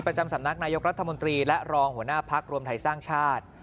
ประจำสำนักนายกรัฐมนตรีและรองหัวหน้าพักรวมไทยสร้างชาติ